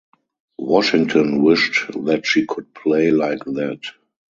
Washington wished that she could play like that.